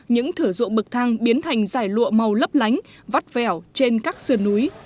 những thửa ruộng bậc thang biến thành giải lụa màu lấp lánh vắt vẻo trên các sườn núi